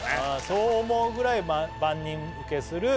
「そう思うぐらい万人受けする」